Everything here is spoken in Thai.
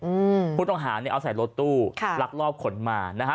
อืมผู้ต้องหาเนี้ยเอาใส่รถตู้ค่ะลักลอบขนมานะฮะ